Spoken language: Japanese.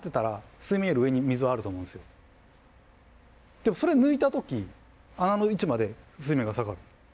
でもそれ抜いた時あの位置まで水面が下がる。